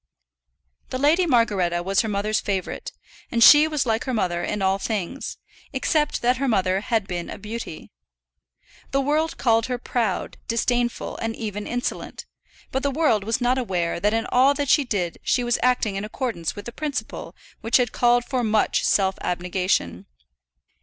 The Lady Margaretta was her mother's favourite, and she was like her mother in all things, except that her mother had been a beauty. The world called her proud, disdainful, and even insolent; but the world was not aware that in all that she did she was acting in accordance with a principle which had called for much self abnegation.